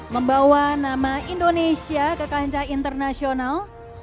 membawa nama indonesia ke kancah internasional